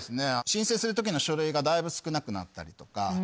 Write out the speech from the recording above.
申請する時の書類がだいぶ少なくなったりとか。